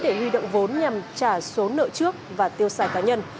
để huy động vốn nhằm trả số nợ trước và tiêu xài cá nhân